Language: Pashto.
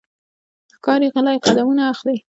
ښکاري غلی قدمونه اخلي.